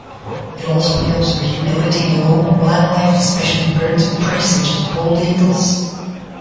It also helps rehabilitate local wildlife, especially birds of prey, such as bald eagles.